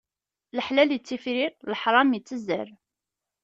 Leḥlal ittifrir, leḥṛam ittezzer.